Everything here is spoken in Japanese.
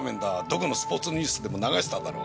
どこのスポーツニュースでも流しただろ。